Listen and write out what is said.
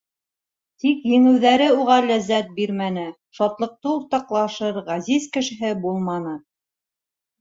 Тик еңеүҙәре уға ләззәт бирмәне, шатлыҡты уртаҡлашыр ғәзиз кешеһе булманы.